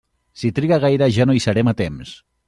Si triga gaire ja no hi serem a temps.